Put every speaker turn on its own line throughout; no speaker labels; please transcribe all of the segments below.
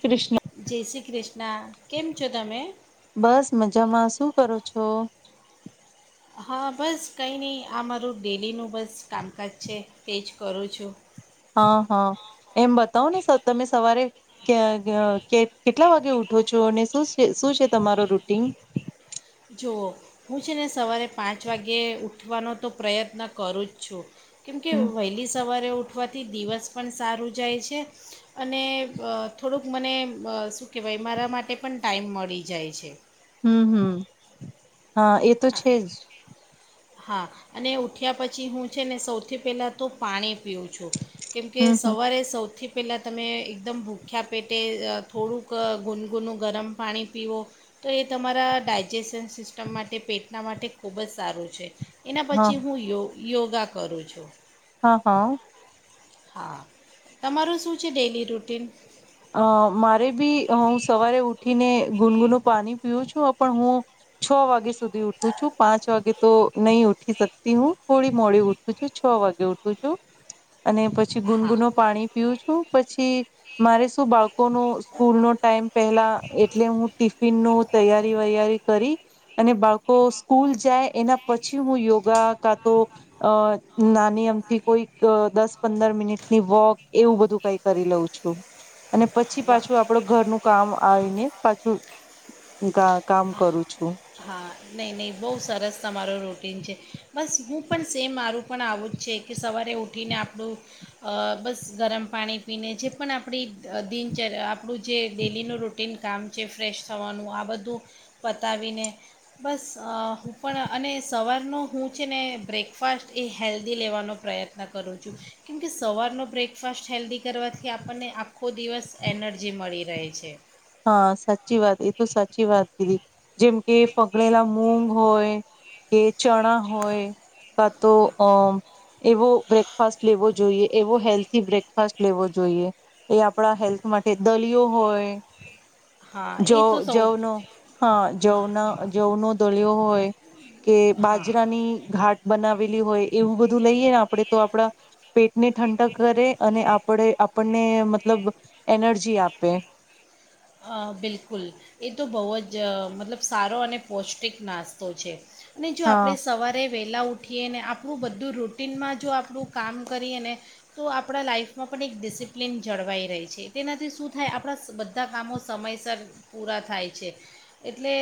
કૃષ્ણ
જય શ્રી કૃષ્ણ કેમ છો તમે
બસ મજામાં શું કરો છો?
હા બસ કઈ નહી આ મારું ડેલીનું બસ કામકાજ છે તે જ કરું છું
હા હા એમ બતાવો ને તમે સવારે ક કેટલા વાગે ઉઠો છો અને શું છે તમારો રૂટીન
જુઓ હું છે ને સવારે પાંચ વાગે ઉઠવાનો તો પ્રયત્ન કરું જ છું. કેમ કે
હમ
વહેલી સવારે ઉઠ ઉઠવાથી દિવસ પણ સારું જાય છે અને થોડુંક મને શું કહેવાય મારા માટે પણ ટાઈમ મળી જાય છે
હમ હમ હા એ તો છે જ
હા અને ઉઠ્યા પછી હું છે ને સૌથી પહેલાં તો પાણી પીવું છું કેમ કે
હમ હમ
સવારે સૌથી પહેલાં તમે એકદમ ભૂખ્યા પેટે થોડુંક ગુનગુનું ગરમ પાણી પીવો તો એ તમારા ડાયજેશન સિસ્ટમ માટે તે પેટના માટે ખુબ જ સારું છે. એના
હા
પછી હું યોગ યોગા કરું છું.
હા હા
હા તમારું શું છે ડેલી રૂટીન
અ મારે બી હું સવારે ઉઠીને ગુનગુનું પાણી પીવું છું પણ હું છ વાગે સુધી ઉઠું છું પાંચ વાગે તો નહી ઉઠી શકતી હું થોડી મોડી ઉઠું છું છ વાગે ઉઠું છું અને પછ પછી
હા
ગુનગુનો પાણી પીવું શું પછી મારે શું બાળકો ન સ્કૂલ નો ટાઈમ પેલા એટલે હું ટિફિન નુ તૈયારી વૈયારી કરી અને બાળકો સ્કૂલ જાય એના પછી હું યોગા કા તો નાની અમથી કોઈક દસ પંદર મિનિટની વોક એવું બધું કઈ કરી લઉં છું અને પછી
વાહ
પાછું આપડું ઘરનું કામ આવીને પાછું કામ કરું છું
હા નહીં નહીં બહુ સરસ તમ મારો રૂટીન છે બસ હું પણ સેમ મારું પણ આવું જ છે કે સવારે ઉઠીને આપણું બસ ગરમ પાણી પીને જે પણ આપણી દિનચર્યા આપણું જે ડેલીનું રૂટીન કામ છે ફ્રેશ થવાનું આ બધું પતાવીને બસ હું પણ અને સવારનો હું છે ને બ્રેકફાસ્ટ એ હેલ્ધી લેવાનો પ્રયત્ન કરું છું કેમકે સવારનો બ્રેકફાસ્ટ હેલ્ધી કરવાથી આપણને આખો દિવસ એનર્જી મળી રહે છે.
હા, સાચી વાત એ તો સાચી વાત કીધી જેમ કે, ફગડેલા મૂગ હોય કે ચણા હોય, કા તો અમ એવો બ્રેકફાસ્ટ લેવો જોઈએ. એવો હેલ્થી બ્રેકફાસ્ટ લેવો જોઈએ. એ આપણા હેલ્થ માટે દલિયો હોય
હા એ તો સૌ
જવનો હા જવ
હા
જવનો દળિયો હોય કે,
હા
બાજરાની ઘાટ બનાવેલી હોય એવું બધું લઈએ. આપણે તો આપણા પેટને ઠંડક કરે, અને આપણે આપણને મતલબ એનર્જી આપે
અ બિલકુલ એ તો બહુ જ મતલબ સારો અને પૌષ્ટિક નાસ્તો છે. અને ને જો
હા
આપણે સવારે વેલા ઉઠીએ ને આપણું બધું રૂટીનમાં જો આપણું કામ કરીએ, ને તો આપણા લાઈફમાં પણ એક ડિસિપ્લિન જળવાઈ રહી છે. તેનાથી શું થાય આપણા બધા કામો સમયસર પૂરા થાય છે. એટલે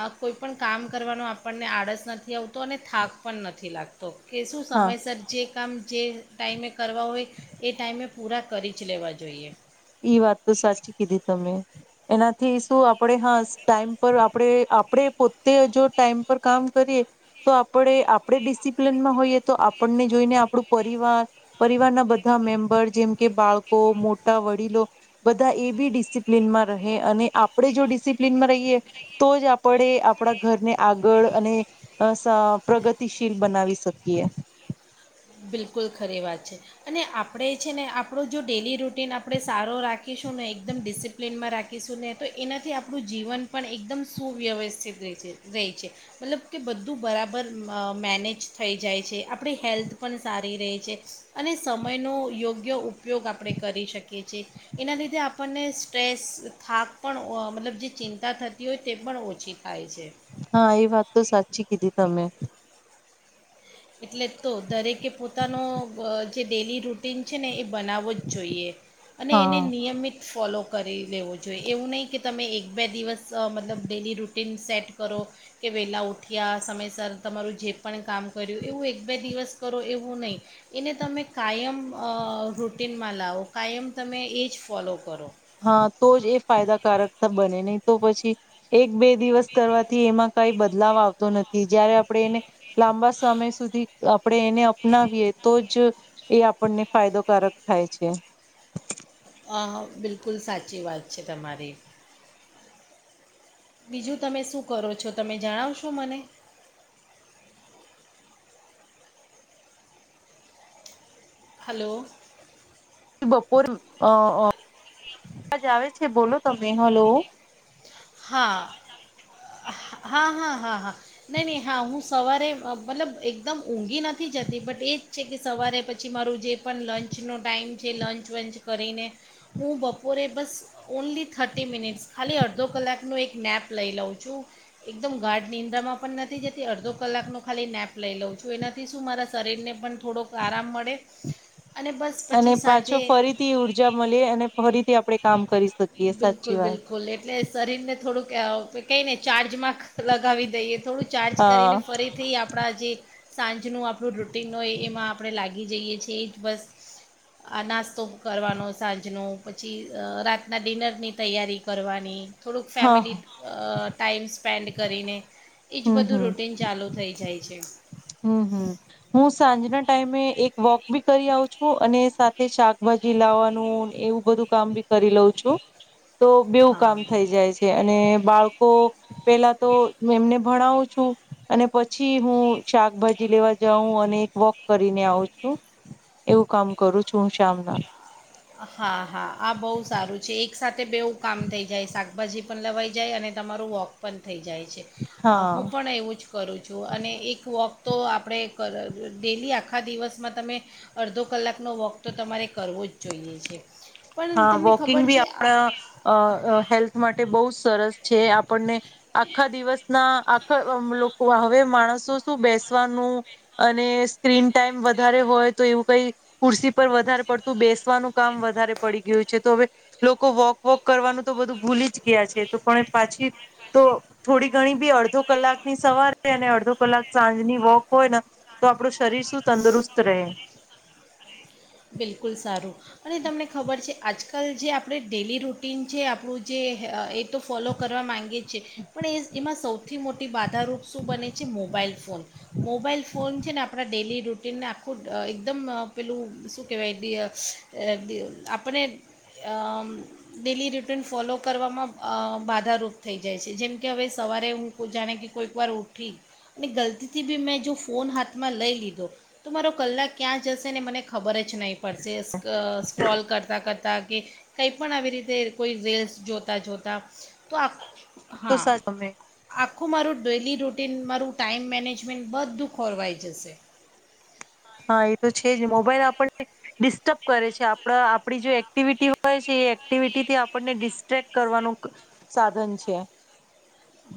આ કોઈ પણ કામ કરવાનો આપણને આળસ નથી આવતો, અને થાક પણ નથી લાગતો કે શું
હા
સમય સરજી કામ જે ટાઈમે કરવા હોય, એ ટાઈમે પૂરા કરી જ લેવા જોઈએ.
ઈ વાત તો સાચી કીધી તમે એનાથી શું આપણે હા ટાઈમ પર આપણે આપણે પોતે જો ટાઈમ પર કામ કરીએ, તો આપણે આપણે ડિસિપ્લનમાં હોઈએ, તો આપણને જોઈને આપણું પરિવાર પરિવારના બધા મેમ્બર જેમ કે બાળકો મોટા વ બધા એ બી ડિસિપ્લનમાં રહે, અને આપણે જો ડિસિપ્લનમાં રહીએ, તો જ આપણે આપણા ઘરને આગળ અને પ્રગતિશીલ બનાવી શકીએ.
બિલકુલ ખરી વાત છે અને આપણે છે, ને આપણો જો ડેલી રૂટીન આપણે સારો રાખીશું ને એકદમ ડિસિપ્લિનમાં રાખીશું ને, તો એનાથી આપણું જીવન પણ એકદમ સુવ્યવસ્થિત રહે છે. રહે છે. મતલબ કે બધું બરાબર મેનેજ થઈ જાય છે. આપણી હેલ્થ પણ સારી રહે છે. અને સમયનો યોગ્ય ઉપયોગ આપણે કરી શકીએ છીએ. એના લીધે આપણને સ્ટ્રેસ થાક પણ મતલબ જે ચિંતા થતી હોય તે પણ ઓછી થાય છે
હા, એ વાત તો સાચી પછી કીધી તમે
એટલે તો દરેકે પોતાનો જે ડેલી રૂટીન છે, ને એ બનાવવો જ જોઈએ, અને
હા
એને નિયમિત ફોલો કરી લેવો જોઈએ એવું નહીં, કે તમે એક બે દિવસ મતલબ ડેલી રૂટીન સેટ કરો કે, વહેલાં ઉઠ્યા સમયસર તમારું જે પણ કામ કર્યું એવું એક બે દિવસ કરો એવું નહીં, એને તમે કાયમ રૂટિનમાં લાવો કાયમ તમે એ જ ફોલો કરો
હા, તો જ એ ફાયદાકારક બને નહી તો પછી એક બે દિવસ કરવાથી એમાં કઈ બદલાવ આવતો નથી. જયારે આપણે એને લાંબા સમય સુધી આપણે એને અપનાવીએ તો જ એ આપણને ફાયદોકારક થાય છે.
હા, બિલકુલ સાચી વાત છે. તમારી બીજું તમે શું કરો છો તમે જણાવશો મને હલો,
બપોરજ અવાજ આવે છે. બોલો તમે હલો,
હા, હા, હા, હા, હા, નહી, નહી, હા, હું, સવારે મતલબ એકદમ ઊંઘી નથી જતી, બટ એ જ છે, કે સવારે પછી મારું જે પણ લંચનો ટાઈમ છે. લંચ વંચ કરીને હું બપોરે બસ ઓનલી થર્ટી મિનિટ્સ ખાલી અડધો કલાક ન એક નેપ લઈ લઉં છું. એકદમ ગાઢ નિંદ્રામાં પણ નથી જતી, અડધો કલાકનો ખાલી નેપ લઈ લઉં છું. એનાથી શું મારા શરીરને પણ થોડોક આરામ મળે અને બસ
અને
પછી
પાછો
સાંજે
ફરીથી ઊર્જા મળીએ અને ફરીથી આપણેે કામ કરી શકીએ, સાચી વાત
ને થોડુંક કઈને ચાર્જ જ લગાવી દઈએ થોડું ચાર્જ
હા
કરીને ફરીથી આપણા જે સાંજનું આપણું રૂટિન હોય, એમાં આપણે લાગી જઈએ છીએ. એ જ બસ આ નાસ્તો કરવાનો સાંજનો પછી રાતના ડિનરની તૈયારી કરવાની થોડુંક
હા
ફેમિલી ટાઈમ્સ સ્પેન્ડ કરીને એજ
હમ
બધું રૂટીન ચાલુ થઇ જાય છે.
હમ્મ, હમ્મ, હું સાંજના ટાઈમે એક વોક બી કરી આવ છું. અને સાથે શાકભાજી લાવવાનું એવું બધું કામ બી કરી લઉં છું. તો બેવું કામ
હા
થઈ જાય છે. અને બાળકો પેલા તો એમને ભણાવું છું અને પછી હું. શાકભાજી લેવા જાઉં અને એક વોક કરીને આવું છું એવું કામ કરું છું હું શમના.
હા હા આ બહુ સારું છે એક સાથે. વું કામ થઈ જાય સા. બાજી પણ લવાઈ જાય અને તમારું વોક પણ થઇ જાય.
હા
હું પણ એવું જ કરું છું અને એક વોક. તો આપણે કર ડેલી આખા દિવસમાં તમે અડધો કલાકનો વોક તો તમારે કરવો જ. જોઈએ છ છેએ.
હા વોકિંગ બી આપણા હેલ્થ માટે બહુ જ સરસ. છે આપણને. આખા દિવસ ના આખા. હવે માણસો શું બેસવાનું અને સ્ક્રીન. ટાઈમ વધારે હોય તો એવું. કઈ કુરસી પર વધારે પડતું બેસવાનું કામ વધારે. પડી ગયું છે તો હવે લોકો વોક વોક કરવાનું તો બધું ભૂલી જ ગયા છે તો પણ પાછી તો થોડી ઘણી બી અડધો કલાક ની સવારે અને અડધો કલાક સાંજની વોક હોયને તો આપડું શરીર શું તંદુરસ્ત રહે.
બિલકુલ સારું અને તમને ખબર છે આજકાલ જે આપણે ડેલી રૂટીન છે આપણું જે એ. એ તો ફોલો કરવા માંગે છીએ પણ એ એમાં સૌથી મોટી બાધારૂપ શું બને છે મોબાઈલ ફોન મોબાઈલ ફોન છે ને આપણા ડેલી રૂટીનનેણે. એકદમ પેલું. કહેવાય આપને ડેલી રૂટીન ફોલો કરવામાં બાધારૂપ થઈ જાય છે જેમ કે હવે સવારે હું જાણે કે કોઈકવાર ઉઠી અને ગલતીથી બી મેં જો ફોન હાથમાં લઈ લીધો તો મારો કલાક ક્યાં જશે ને મને ખબર જ. નહી પડ સ્ક્રોલ કરતા કરતા કે કંઈ પણ આવી રીતે કોઈ રીલ્સ જોતા જોતા તો.
તો
હા
સાચમે
આખું મારું. ડેલી રૂટીન મારું ટાઈમ મેનેજમેન્ટ બધું ખોરવાઈ જશે.
હા એ તો મોબાઈલ આપણને ડિસ્ટર્બ કરે છે આપ આપડી જે એક્ટિવિટી હોય છે એ એક્ટિવિટીથી આપણને ડિસ્ટ્રેક્ટ કરવાનું સાધન છે.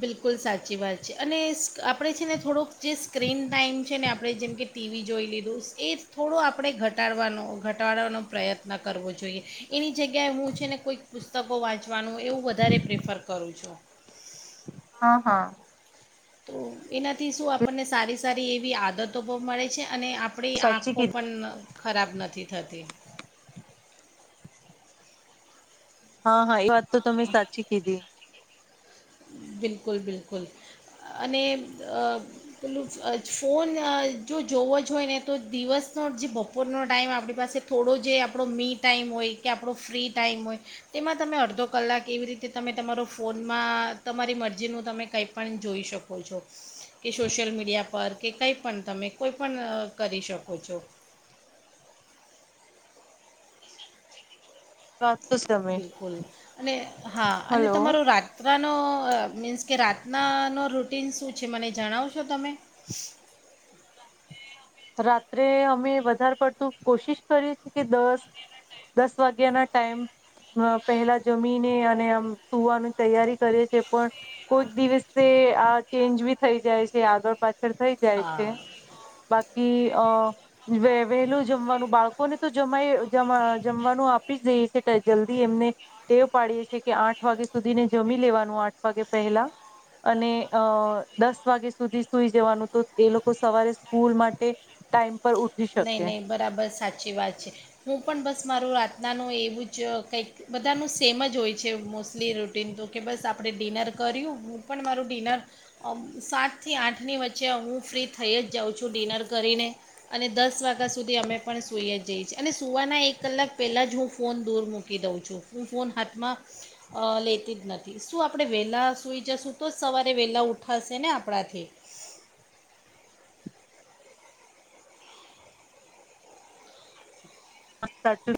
બિલકુલ સાચી વાત છે અને આપણે છે ને થોડોક જે સ્ક્રીન ટાાઈમ છે ને આપણે જેમકે ટીવી જોઈ લીધું એ થોડો આપણે ઘટાડવાનો ઘટાડવાનો પ્રયત્ન કરવો જોઈએ એની જગ્યાએ હું છે ને કોઈક પુસ્તકો વાંચવાનું એવું વધારે પ્રેફર કરું છું.
હા હા.
તો એનાથી શું આપણને સારી સારી એવી આદતો પણ મળે છે. અને આપણી
સાચી
આંખો
કીધી.
પણ. ખરાબ નથી થતી.
હા હા એ વાત. તો તમે સાચી કીધી.
બિલકુલ બિલકુલ અને પેલું ફોન જો જોવો જ હોય ને તો દિવસનો જે બપોરનો ટાઈમ આપણી પાસે થોડો જે આપણો મી ટાઈમ હોય કે આપણો ફ્રી ટાઈમ હોય તેમાં તમે અડધો કલાક એવી રીતે તમે તમારો ફોનમાં. તમારી મરજીનું તમે કંઈ પણ જોઈ શકો છો કે સોશિયલ મીડિયા પર કે કંઈ પણ તમે કોઈ પણણ કરી શકો છો.
[inaudible]
બિલકુલ અને હા અને
હલો
તમારો રાત. તનું. મીન્સ કે રાતનાનો રૂટ. ું છે મને જણાવશો તમે.
રાત્રે અમે વધારે પડતું કોશિશ કરીએ છે કે દસ દસ વાગ્યા ના ટાઈમ પહેલા જમીને અને આમ સુવાનું તૈયારી કરીએ છે પણ કોક દિવસે આ ચેન્જ બી થઈ જાય છે આગળ પાછ. થઈ જાય છે
હા
બાકી. વહેલું જમવાનું બાળકોને તો જમાય જમવાનું આપી જ દઈ છે જલ્દી એમને ટેવ પાડીયે છે કે આઠ વાગે સુધીને જમી લેવાનું આઠ વાગે પહેલા અને અ દસ વાગે સુધી સુઈ જવાનું તો એ લોકો સવારે સ્કૂલમાં તે ટાઈમ
નહી નહી બરાબર સાચી વાત છે હું પણ બસ બસ મારું રાતનાનું એવું જ કંઈક બધાનું સેમ જ હોય છે મોસ્ટલી રૂટટીન તો કે બસ આપણે ડિનર કર્યું હું પણ મારું ડિનર સાતથી આઠની વચ્ચે હું ફ્રી થઈ જ જાઉં છું ડિનર કરીને અને દસ વાગ્યા સુધી અમે પણ સઈએ જઈએ છીએ અને સુવાના એક કલાક પહેલાં જ હું ફોન દૂર મૂકી દઉં છું હું ફોન હાથમાં લેતી જ નથી શું આપણે વહેલાં સુઈ જશું તો જ સવારે વહેલાં ઉઠાશે ને આપણાથી
હ સાચું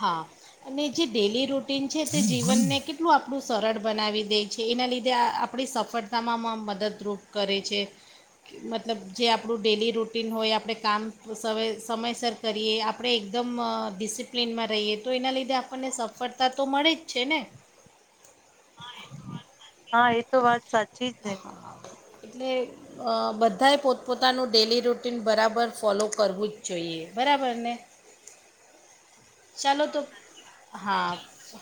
હા અને જે ડેલી રૂટન છે તે જીવનને કેટલું આપણું સરળ બનાવી દે છે એના લીધે આપણી સફળતામાં મદદરૂપ કરે છે મતલબ જે આપણું ડેલી રૂટિન હોય આપણે કામ સમયસર કરીએ આપણે એકદમ ડિસિપ પ્લેનમાં રહીએ તો એના લીધે આપણને સફળતા તો મળે જ છે ને
હા એ તો વાત સાચી જ ને
હા એટલે બધાએ પોતપોતાનું ડેલી રૂટીન બરાબર ફોલો કરવું જ જોઈએ બરાબર ને ચાલો તો હા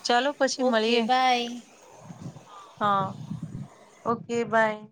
ચાલો પછી
ઓકે
મળીએ
બાય
હા ઓકે બાય